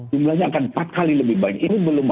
jumlahnya akan empat kali lebih banyak ini belum